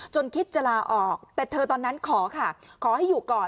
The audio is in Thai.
คิดจะลาออกแต่เธอตอนนั้นขอค่ะขอให้อยู่ก่อน